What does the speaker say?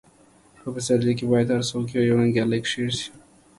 په پسرلي کې باید هر څوک یو، یو نیالګی کښېږدي.